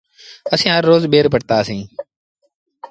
اسيٚݩ هر روز ٻير پٽتآ سيٚݩ۔